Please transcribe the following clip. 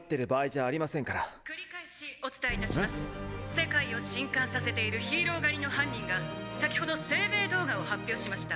「世界を震撼させているヒーロー狩りの犯人が先ほど声明動画を発表しました。